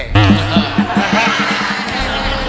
อะครับ